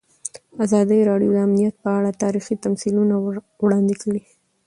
ازادي راډیو د امنیت په اړه تاریخي تمثیلونه وړاندې کړي.